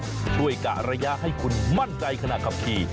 ช่วยกะระยะให้คุณมั่นใจขณะขับขี่